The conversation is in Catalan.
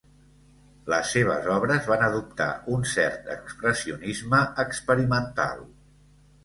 Les seves obres van adoptar un cert expressionisme experimental.